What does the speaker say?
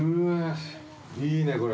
◆いいね、これ。